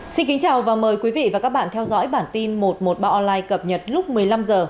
xin kính chào và mời quý vị và các bạn theo dõi bản tin một trăm một mươi ba online cập nhật lúc một mươi năm h